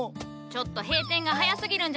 ちょっと閉店が早すぎるんじゃないか？